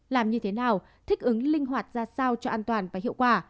làm như thế nào thích ứng linh hoạt ra sao cho an toàn và hiệu quả